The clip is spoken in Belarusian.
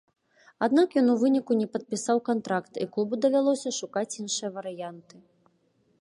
Аднак ён у выніку не падпісаў кантракт, і клубу давялося шукаць іншыя варыянты.